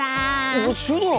おっシュドラ！